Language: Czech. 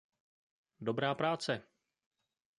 Dobrá práce!